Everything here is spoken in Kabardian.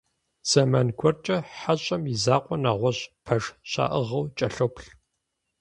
Зэман гуэркӏэ «хьэщӏэм» и закъуэ нэгъуэщӏ пэш щаӏыгъыу кӏэлъоплъ.